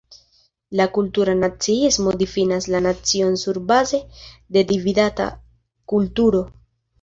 La "kultura naciismo" difinas la nacion surbaze de dividata kulturo.